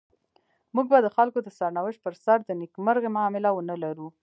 موږ به د خلکو د سرنوشت پر سر د نيکمرغۍ معامله ونلرو.